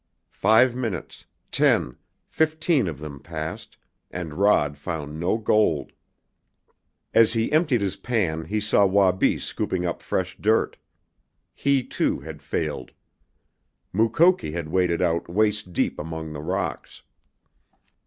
Five minutes, ten, fifteen of them passed, and Rod found no gold. As he emptied his pan he saw Wabi scooping up fresh dirt. He, too, had failed. Mukoki had waded out waist deep among the rocks.